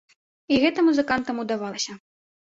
І гэта музыкантам удавалася.